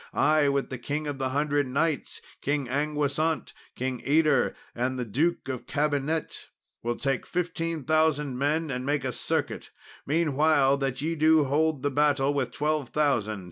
I, with the King of the Hundred Knights, King Anguisant, King Yder, and the Duke of Cambinet, will take fifteen thousand men and make a circuit, meanwhile that ye do hold the battle with twelve thousand.